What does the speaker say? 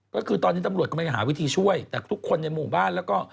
ก็คือตอนนี้ตำรวจก็ไม่ได้หาวิธีช่วยแต่ทุกคนในหมู่บ้านแล้วก็